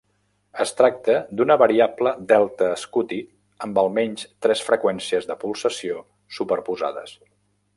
Es tracta d'una variable delta scuti amb almenys tres freqüències de pulsació superposades.